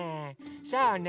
そうねえ。